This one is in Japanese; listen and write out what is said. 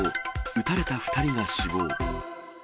撃たれた２人が死亡。